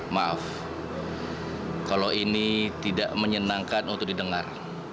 maaf kalau ini tidak menyenangkan untuk didengar